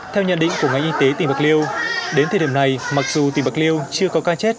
theo nhận định của ngành y tế tỉnh bạc liêu đến thời điểm này mặc dù tỉ bạc liêu chưa có ca chết